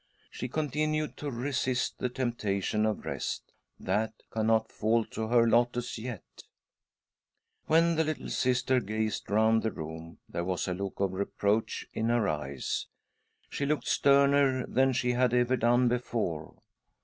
She continued to resist the temptation of rest — that cannot fall to her lot as yet. When the little Sister gazed round the room, there was a look of reproach in her eyes. She looked sterner than she had ever done before.